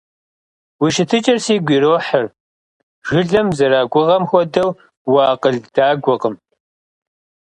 Уи щытыкӀэр сигу ирохьыр, жылэм зэрагугъэм хуэдэу уакъыл дагуэкъым.